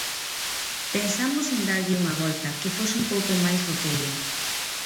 Pensamos en darlle unha volta, que fose un pouco máis roqueiro.